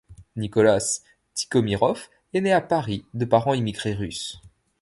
Nicolas Tikhomiroff est né à Paris de parents immigrés russes.